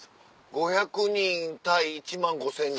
５００人対１万５０００人。